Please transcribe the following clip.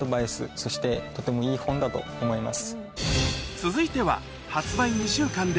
そしてとてもいい本だと思います。